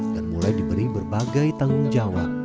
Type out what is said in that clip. dan mulai diberi berbagai tanggung jawab